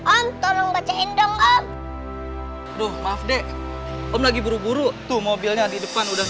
om tolong bacain dong om duh maaf dek om lagi buru buru tuh mobilnya di depan udah